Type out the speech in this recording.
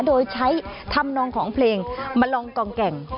โดยใช้ธรรมนองของเพลงมาลองกองแก่ง